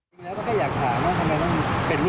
ทำเรื่องขอคัดค้านการประกันตัว